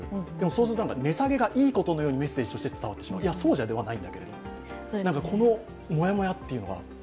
そうすると値下げがいいことのようにメッセージとして伝わってしまう、そうではないんだけど、このモヤモヤというのは。